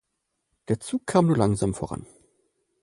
Der Zug kam nur langsam voran.